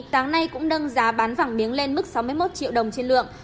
tháng nay cũng nâng giá bán vàng miếng lên mức sáu mươi một triệu đồng trên lượng